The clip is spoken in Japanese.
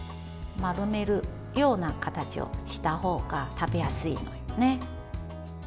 丸めるような形にした方が食べやすいですね。